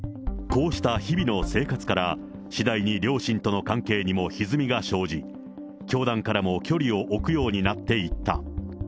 こうした日々の生活から、次第に両親との関係にもひずみが生じ、教団からも距離を置くようになっていった。